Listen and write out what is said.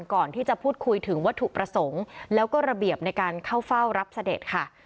ก่อนที่จะพูดคุยถึงวัตถุประสงค์แล้วก็ระเบียบในการเข้าเฝ้ารับเสด็จค่ะ